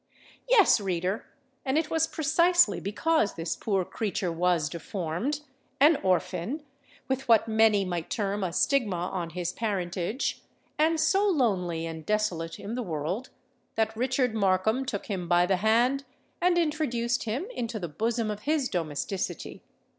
Yes, reader: and it was precisely because this poor creature was deformed—an orphan—with what many might term a stigma on his parentage—and so lonely and desolate in the world, that Richard Markham took him by the hand, and introduced him into the bosom of his domesticity.